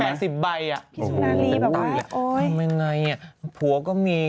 ประมาณแปดสิบใบอ่ะพี่สุนารีแบบว่าโอ้ยทำไมไงอ่ะผัวก็มี